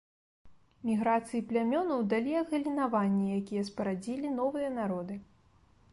Міграцыі плямёнаў далі адгалінаванні, якія спарадзілі новыя народы.